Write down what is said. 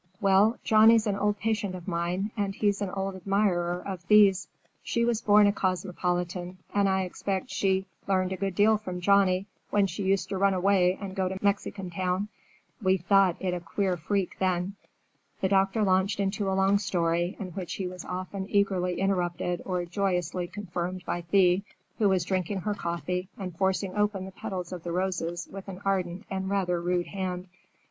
"Well, Johnny's an old patient of mine, and he's an old admirer of Thea's. She was born a cosmopolitan, and I expect she learned a good deal from Johnny when she used to run away and go to Mexican Town. We thought it a queer freak then." The doctor launched into a long story, in which he was often eagerly interrupted or joyously confirmed by Thea, who was drinking her coffee and forcing open the petals of the roses with an ardent and rather rude hand.